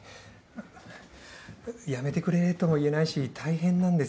あっやめてくれとも言えないし大変なんですよ。